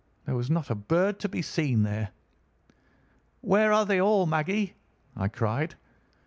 There was not a bird to be seen there. "'Where are they all, Maggie?' I cried.